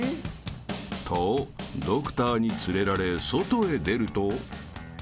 ［とドクターに連れられ外へ出ると］